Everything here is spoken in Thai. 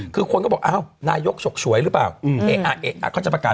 คือคนก็บอกนายกฉกฉวยหรือเปล่า